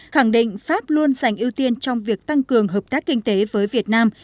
khẳng định pháp luôn dành ưu tiên trong việc tăng cường hợp tác kinh tế với việt nam